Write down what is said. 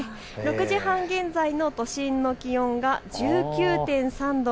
６時半現在の都心の気温が１９．３度。